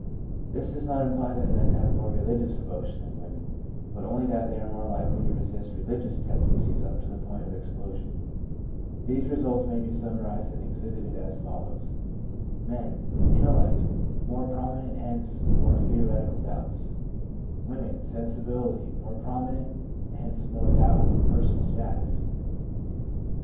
This does not imply that men have more religious emotion than women, but only that they are more likely to resist religious tendencies up to the point of explosion. 2 1 These results may be summarised and exhibited as follows :— Men. Women. t * Intellect more prominent; Sensibility more prominent; hence, more theoretical hence, more doubt of per doubts. sonal status.